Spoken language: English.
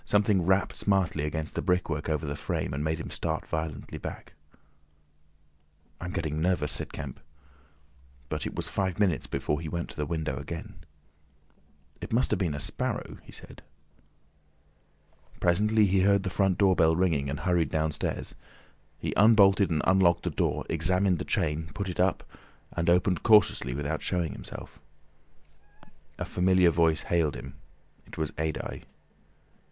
Something rapped smartly against the brickwork over the frame, and made him start violently back. "I'm getting nervous," said Kemp. But it was five minutes before he went to the window again. "It must have been a sparrow," he said. Presently he heard the front door bell ringing, and hurried downstairs. He unbolted and unlocked the door, examined the chain, put it up, and opened cautiously without showing himself. A familiar voice hailed him. It was Adye.